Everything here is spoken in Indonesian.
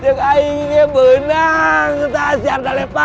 jika ingin menang taa siar dalepa